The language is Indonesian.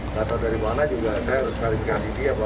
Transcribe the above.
nggak tahu dari mana juga saya harus klarifikasi dia pak